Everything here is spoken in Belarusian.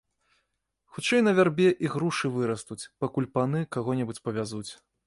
Хутчэй на вярбе ігрушы вырастуць, пакуль паны каго-небудзь павязуць.